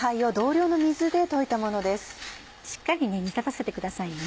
しっかり煮立たせてくださいね。